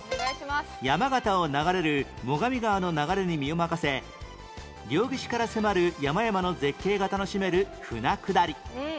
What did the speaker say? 山形を流れる最上川の流れに身を任せ両岸から迫る山々の絶景が楽しめる舟下り